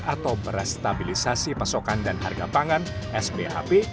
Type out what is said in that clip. atau beras stabilisasi pasokan dan harga pangan spap